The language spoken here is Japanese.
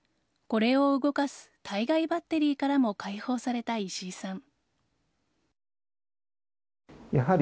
これを動かす体外バッテリーからも解放された石井さん。